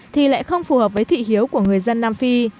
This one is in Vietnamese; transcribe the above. thì lại không phù hợp với thị hiếu của người dân nam phi